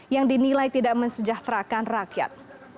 yang dinilai tidak mensejahterakan rakyat